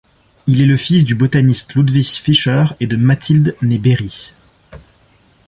Il est le fils du botaniste Ludwig Fischer et de Mathilde née Berri.